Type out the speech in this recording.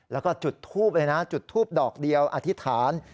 แล้วก็จุดทูบเลยนะจุดทูบดอกเดียวอธิษฐาน